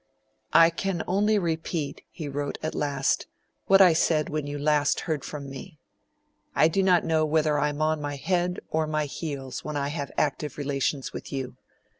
'I can only repeat,' he wrote at last, 'what I said when you last heard from me. I do not know whether I am on my head or my heels when I have active relations with you.